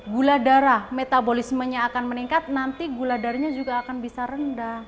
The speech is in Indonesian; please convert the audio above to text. gula darah metabolismenya akan meningkat nanti gula darahnya juga akan bisa rendah